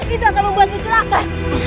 itu akan membuatmu celaka